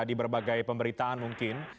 di berbagai pemberitaan mungkin